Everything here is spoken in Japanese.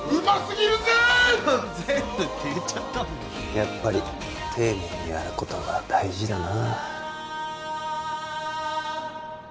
やっぱり丁寧にやることが大事だな